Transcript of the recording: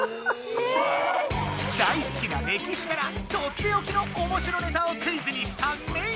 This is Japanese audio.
え⁉大すきなれきしからとっておきのおもしろネタをクイズにしたメイ。